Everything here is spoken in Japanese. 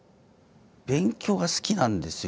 勉強が好きなんですよ。